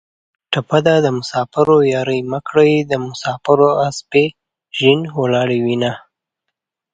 ټپه ده: د مسافرو یارۍ مه کړئ د مسافرو اسپې زین ولاړې وینه